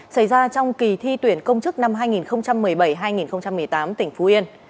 xảy ra trong kỳ thi tuyển công chức năm hai nghìn một mươi bảy hai nghìn một mươi tám tỉnh phú yên